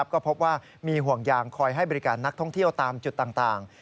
ก็พบว่ามีห่วงยางคอยให้บริการนักท่องเที่ยวตามจุดต่าง